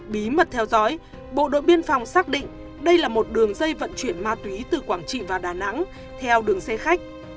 bí mật theo dõi bộ đội biên phòng xác định đây là một đường dây vận chuyển ma túy từ quảng trị vào đà nẵng theo đường xe khách